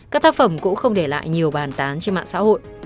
các tác phẩm cũng không để lại nhiều bàn tán trên mạng xã hội